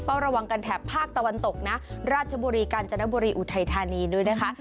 ระวังกันแถบภาคตะวันตกนะราชบุรีกาญจนบุรีอุทัยธานีด้วยนะคะ